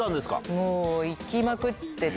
もう行きまくってて。